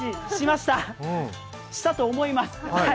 したと思います。